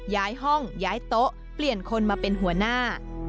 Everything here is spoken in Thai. ย้ายห้องย้ายโต๊ะเปลี่ยนคนมาเป็นหัวหน้า